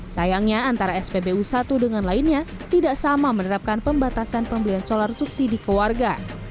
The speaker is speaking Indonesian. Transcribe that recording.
sayangnya antara spbu satu dengan lainnya tidak sama menerapkan pembatasan pembelian solar subsidi ke warga